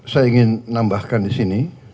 saya ingin nambahkan disini